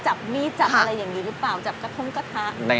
จับกระท่มกระทะ